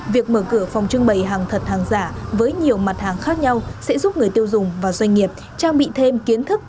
việc mở cửa phòng trưng bày hàng thật hàng giả với nhiều mặt hàng khác nhau sẽ giúp người tiêu dùng và doanh nghiệp trang bị thêm kiến thức